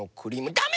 だめ！